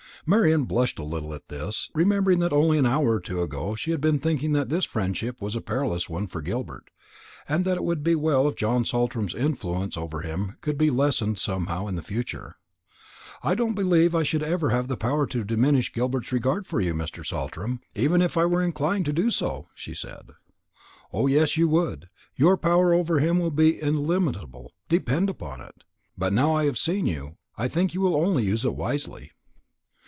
Marian blushed a little at this, remembering that only an hour or two ago she had been thinking that this friendship was a perilous one for Gilbert, and that it would be well if John Saltram's influence over him could be lessened somehow in the future. "I don't believe I should ever have the power to diminish Gilbert's regard for you, Mr. Saltram, even were I inclined to do so," she said. "O yes, you would; your power over him will be illimitable, depend upon it. But now I have seen you, I think you will only use it wisely."